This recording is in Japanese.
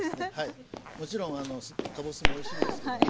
もちろんかぼすもおいしいんですけども。